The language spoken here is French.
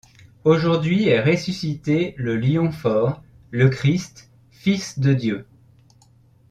Aujourd'hui est ressuscité le lion fort, le Christ, fils de Dieu.